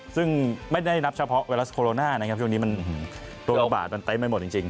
ซึ่งไม่ได้นับเฉพาะไวรัสโคโรนานะครับช่วงนี้มันตัวโอกาสมันเต็มไปหมดจริง